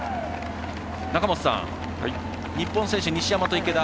中本さん、日本選手、西山と池田